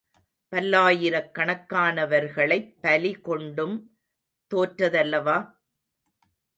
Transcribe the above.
பல்லாயிரக்கணக்கானவர்களைப் பலி கொண்டும் தோற்றதல்லவா?